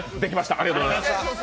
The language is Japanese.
ありがとうございます。